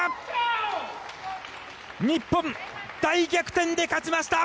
日本、大逆転で勝ちました！